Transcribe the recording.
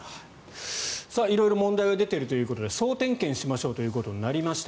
色々問題が出ているということで総点検しましょうということになりました。